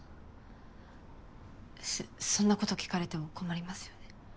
そそんなこと聞かれても困りますよね。